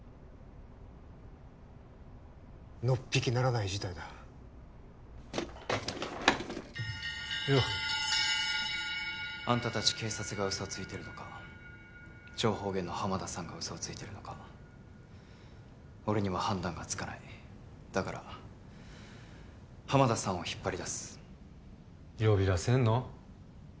のっぴきならない事態だよっあんた達警察が嘘ついてるのか情報源の浜田さんが嘘をついてるのか俺には判断がつかないだから浜田さんを引っ張り出す呼び出せんの？